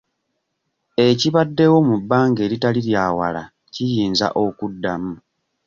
Ekibaddewo mu bbanga eritali lya wala kiyinza okuddamu.